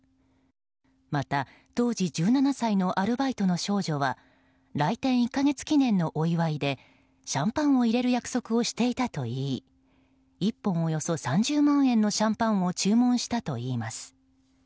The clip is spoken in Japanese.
また、当時１７歳のアルバイトの少女は来店１か月記念のお祝いでシャンパンを入れる約束をしていたと言い１本およそ３０万円のシャンパンを注文したといいます。